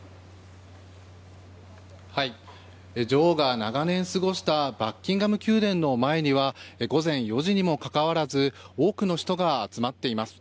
女王が長年過ごしたバッキンガム宮殿の前には午前４時にもかかわらず多くの人が集まっています。